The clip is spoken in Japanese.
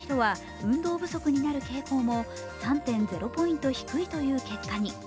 また、退職した人は運動不足になる傾向も３．０ポイント低いという結果に。